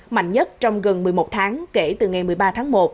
mạnh nhất trong gần một mươi một tháng kể từ ngày một mươi ba tháng một